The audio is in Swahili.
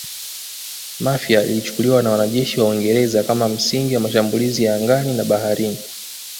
Mafia ilichukuliwa na wanajeshi wa Uingereza kama msingi wa mashambulizi ya angani na baharini